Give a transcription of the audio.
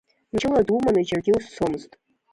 Мчыла думаны џьаргьы узцомызт.